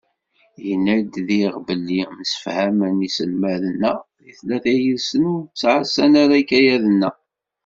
Yenna-d diɣ belli msefhamen yiselmaden-a deg tlata yid-sen ur ttɛassan ara ikayaden-a.